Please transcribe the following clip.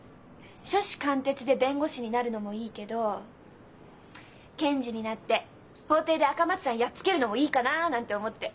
初志貫徹で弁護士になるのもいいけど検事になって法廷で赤松さんやっつけるのもいいかななんて思って。